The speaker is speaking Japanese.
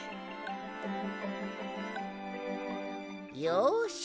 よし！